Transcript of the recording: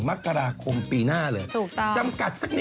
ไม่ได้ก็บอกมาแล้วว่าไม่ได้